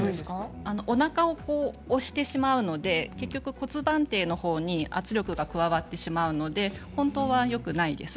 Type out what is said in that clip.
おなかを押してしまうので骨盤底のほうに圧力が加わってしまうので本当はよくないです。